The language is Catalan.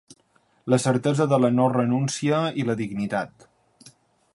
La certesa de la no renúncia i la dignitat.